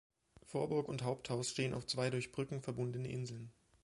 Vorburg und Haupthaus stehen auf zwei durch Brücken verbundene Inseln.